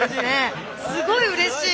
すごいうれしい！